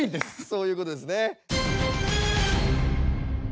そういうことですね。